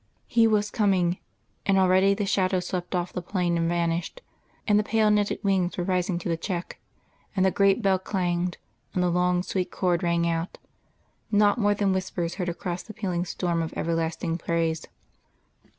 ... He was coming and already the shadow swept off the plain and vanished, and the pale netted wings were rising to the cheek; and the great bell clanged, and the long sweet chord rang out not more than whispers heard across the pealing storm of everlasting praise....